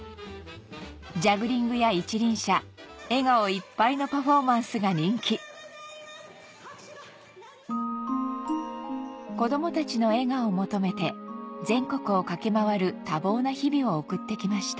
ジャグリングや一輪車笑顔いっぱいのパフォーマンスが人気子供たちの笑顔を求めて全国を駆け回る多忙な日々を送って来ました